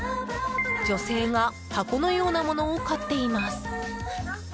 女性が箱のようなものを買っています。